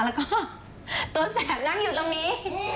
แล้วก็ตัวแสบนั่งอยู่ตรงนี้